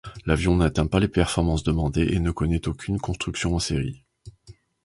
L'avion n'atteint pas les performances demandées et ne connaît aucune construction en série.